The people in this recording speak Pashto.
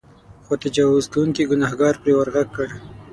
خو تجاوز کوونکي ګنهکار پرې ورغږ کړ.